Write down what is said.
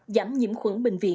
giảm nhiễm khuẩn bệnh